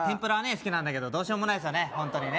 好きなんだけどどうしようもないすよね